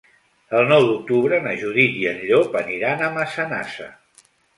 El nou d'octubre na Judit i en Llop aniran a Massanassa.